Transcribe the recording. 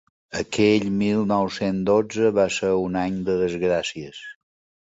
Aquell mil nou-cents dotze va ser un any de desgràcies.